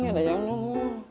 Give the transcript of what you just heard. yaudah jangan nunggu